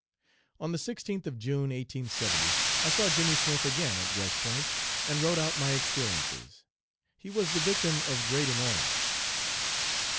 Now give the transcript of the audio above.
"On the 16th of June, 1870, I saw Jimmy Smith again at West Point and wrote out my experiences. He was the victim of great annoyance.